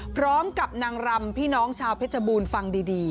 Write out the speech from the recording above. พร้อมกับนางรำพี่น้องชาวเพชรบูรณ์ฟังดี